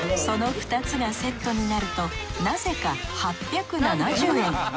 その２つがセットになるとなぜか８７０円。